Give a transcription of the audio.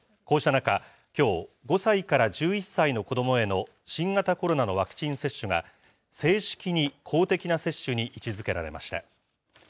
こうした中、きょう、５歳から１１歳の子どもへの新型コロナのワクチン接種が、正式に公的な接種に位置づけられました。